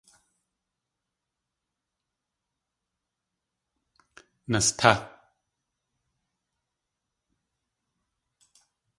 Nastá!